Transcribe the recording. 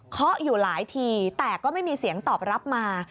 เขาอยู่หลายทีแต่ก็ไม่มีเสียงตอบรับมา